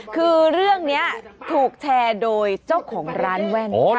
คือเรื่องนี้ถูกแชร์โดยเจ้าของร้านแว่น